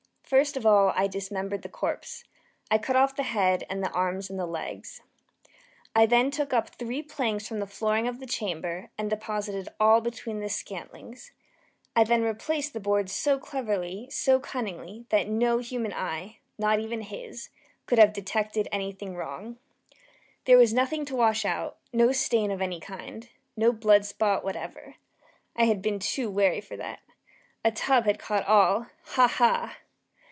First of all I dismembered the corpse. I cut off the head and the arms and the legs. I then took up three planks from the flooring of the chamber, and deposited all between the scantlings. I then replaced the boards so cleverly, so cunningly, that no human eye not even his could have detected any thing wrong. There was nothing to wash out no stain of any kind no blood spot whatever. I had been too wary for that. A tub had caught all ha! ha!